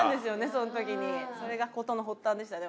そのときにそれが事の発端でしたね